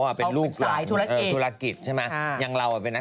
คิดถูกหางนะ